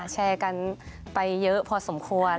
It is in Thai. แชร์กันไปเยอะพอสมควร